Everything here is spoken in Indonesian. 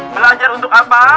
belajar untuk apa